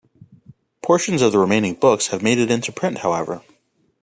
Portions of the remaining books have made it into print, however.